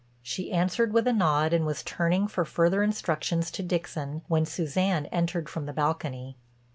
She answered with a nod and was turning for further instructions to Dixon when Suzanne entered from the balcony.